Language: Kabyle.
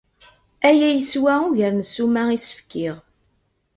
Aya yeswa ugar n ssuma i as-fkiɣ.